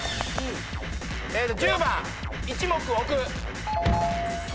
１０番一目置く。